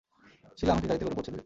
শীলা আমাকে গাড়িতে করে পৌঁছে দেবে।